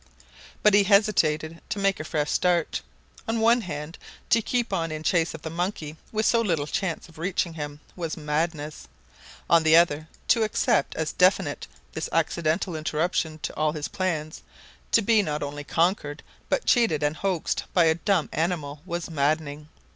But he hesitated to make a fresh start. On one hand, to keep on in chase of the monkey with so little chance of reaching him was madness. On the other, to accept as definite this accidental interruption to all his plans, to be not only conquered, but cheated and hoaxed by a dumb animal, was maddening.